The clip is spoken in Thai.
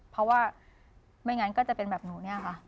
เพราะว่าไม่งั้นก็จะเป็นแบบหนูเนี่ยค่ะ